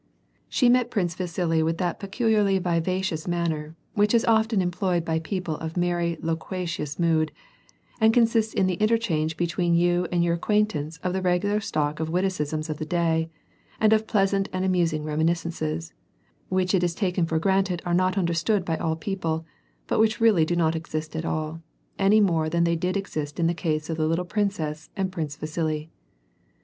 She met Prince Vasili with that peculiarly vivacious man ner which is often employed by people of merrily loquacious mood, and consists in the interchange between you and your acquaintance of the regular stock witticisms of the day, and of pleasant and amusing reminiscences which it is taken for granted are not understood by all people, but which really do not exist at all, any more than they did in the ciise of the little Princess and Prince Vasili.